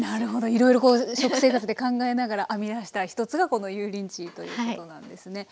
いろいろ食生活で考えながら編み出した一つがこの油淋鶏ということなんですね。